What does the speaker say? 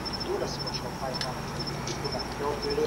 د زړه له کومې مینه د کار کیفیت لوړوي.